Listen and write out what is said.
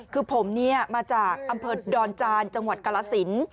คือผมมาจากอำเภอดรจาณจังหวัดกละศิลป์